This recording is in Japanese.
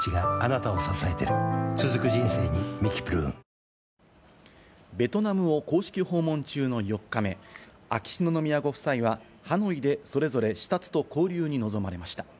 調べに対し、盛本容疑者はベトナムを公式訪問中の４日目、秋篠宮ご夫妻はハノイでそれぞれ視察と交流に臨まれました。